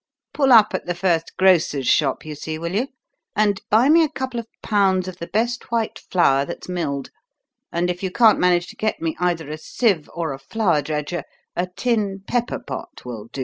"Pull up at the first grocer's shop you see, will you, and buy me a couple of pounds of the best white flour that's milled; and if you can't manage to get me either a sieve or a flour dredger, a tin pepper pot will do!"